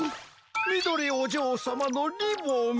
みどりおじょうさまのリボン。